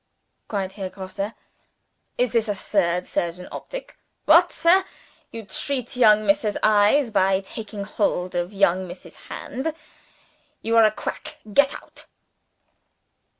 cried Herr Grosse. "Is this a third surgeon optic? What, sir! you treat young Miss's eyes by taking hold of young Miss's hand? You are a Quack. Get out!"